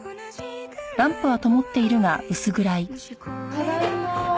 ただいま。